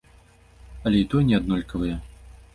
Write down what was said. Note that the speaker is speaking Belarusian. Але і тое не аднолькавыя!